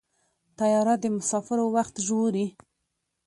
طیاره د مسافرو وخت ژغوري.